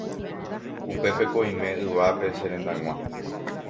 upépeko oime yvápe che rendag̃ua.